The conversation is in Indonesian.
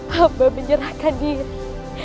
hamba menyerahkan diri